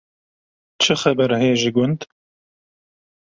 Çi xeber heye ji gund?